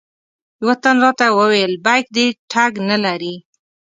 یوه تن راته وویل بیک دې ټګ نه لري.